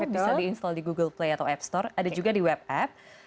misalnya di install di google play atau app store ada juga di web app